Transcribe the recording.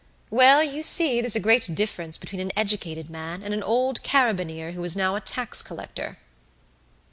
"Well, you see, there's a great difference between an educated man and an old carabineer who is now a tax collector."